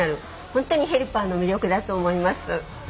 本当にヘルパーの魅力だと思います。